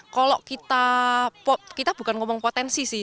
kalau kita bukan ngomong potensi sih